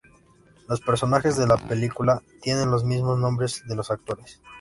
Los personajes de la película tienen los mismos nombres que los actores.